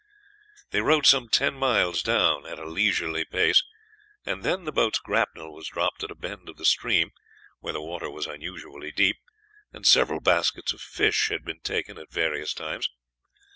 They rowed some ten miles down at a leisurely pace, and then the boat's grapnel was dropped at a bend of the stream, where the water was unusually deep, and several baskets of fish had been taken at various times.